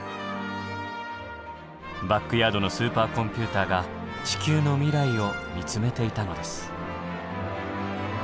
バックヤードのスーパーコンピューターが地球の未来を見つめていたのです。